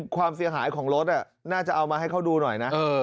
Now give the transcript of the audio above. ความเสียหายของรถน่าจะเอามาให้เขาดูหน่อยนะ